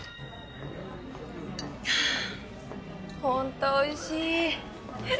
本当おいしい。